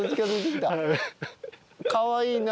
かわいいな。